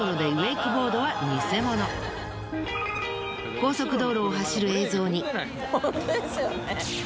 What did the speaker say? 高速道路を走る映像に。